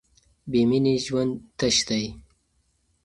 بې مینې ژوند تش دی.